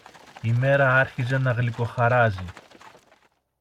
Η μέρα άρχιζε να γλυκοχαράζει.